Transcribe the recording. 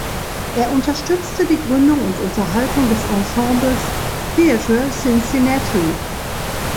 Er unterstützte die Gründung und Unterhaltung des Ensemble Theatre Cincinnati.